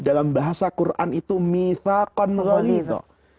dalam bahasa quran itu misakon rohido